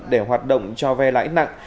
để hoạt động cho vay lãi nặng